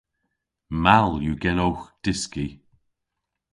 Mall yw genowgh dyski.